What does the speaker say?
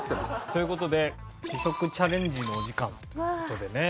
という事で試食チャレンジのお時間という事でね。